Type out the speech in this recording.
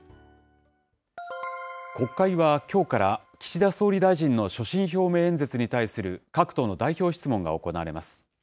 国会はきょうから岸田総理大臣の所信表明演説に対する各党の代表質問が行われます。